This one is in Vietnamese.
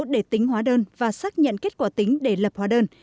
để tính hóa đơn và xác nhận kết quả tính để lập hóa đơn